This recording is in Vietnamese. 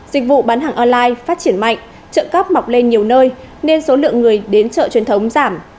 dịch vụ bán hàng online phát triển mạnh trợ cấp mọc lên nhiều nơi nên số lượng người đến chợ truyền thống giảm